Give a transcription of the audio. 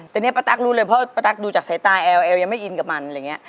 แต่เนี่ยป้าตั๊กรู้เลยเพราะป้าตั๊กดูจากสายตาแอลเอลยังไม่อินกับมันอะไรอย่างนี้